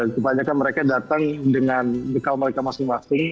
kebanyakan mereka datang dengan bekal mereka masing masing